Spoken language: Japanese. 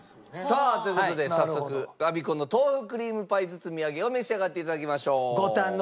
さあという事で早速アビコの豆腐クリームパイ包み揚げを召し上がっていただきましょう。